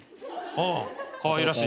ああかわいらしい。